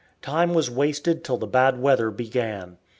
Time was wasted till the bad weather began.